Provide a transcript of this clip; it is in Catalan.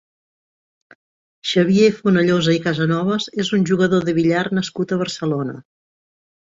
Xavier Fonellosa i Casanovas és un jugador de billar nascut a Barcelona.